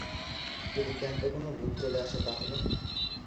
যদি ক্যাম্পে কোন ভূত চলে আসে, তাহলে?